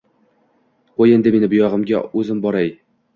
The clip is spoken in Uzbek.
Qo‘y endi meni, buyog‘iga o‘zim boray.